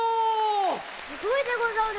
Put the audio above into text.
・すごいでござる！